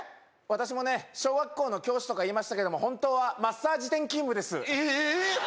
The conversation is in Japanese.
私もね小学校の教師とか言いましたけども本当はマッサージ店勤務ですええええ！？